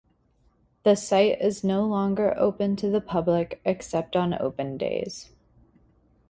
The site is no longer open to the public, except on open days.